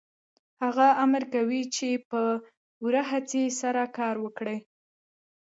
هغه امر کوي چې په پوره هڅې سره کار وکړئ